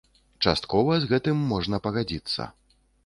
Часткова з гэтым можна пагадзіцца.